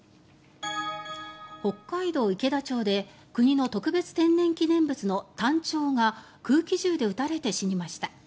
北海道池田町で国の特別天然記念物のタンチョウが空気銃で撃たれて死にました。